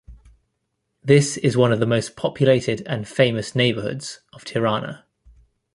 This is one of the most populated and famous neighborhoods of Tirana.